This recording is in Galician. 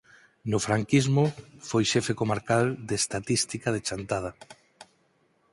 No franquismo foi xefe comarcal de Estatística de Chantada.